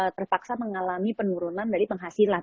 terpaksa mengalami penurunan dari penghasilan